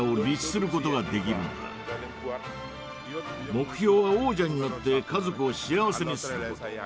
目標は王者になって家族を幸せにすること。